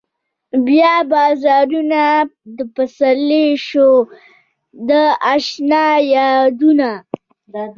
بيا بارانونه د سپرلي شو د اشنا يادونه